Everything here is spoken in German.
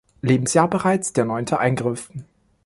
Lebensjahr bereits der neunte Eingriff.